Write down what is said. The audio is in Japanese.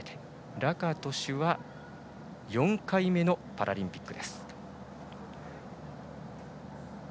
ラカトシュは４回目のパラリンピック。